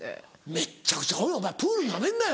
めっちゃくちゃ多いプールナメんなよ